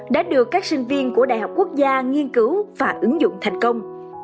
đã được các sinh viên của đại học quốc gia nghiên cứu và ứng dụng thành công